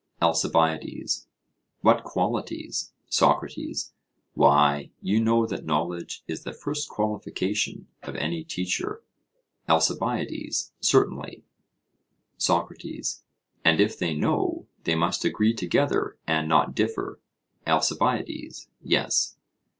ALCIBIADES: What qualities? SOCRATES: Why, you know that knowledge is the first qualification of any teacher? ALCIBIADES: Certainly. SOCRATES: And if they know, they must agree together and not differ? ALCIBIADES: Yes.